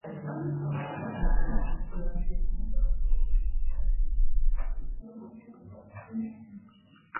The religious conflict was probably only one reason for the move to Mannheim.